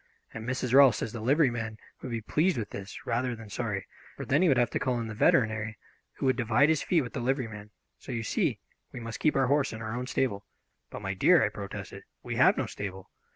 And Mrs. Rolfs says the liveryman would be pleased with this, rather than sorry, for then he would have to call in the veterinary, who would divide his fee with the liveryman. So, you see, we must keep our horse in our own stable." "But, my dear," I protested, "we have no stable."